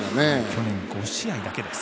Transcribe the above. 去年５試合だけです。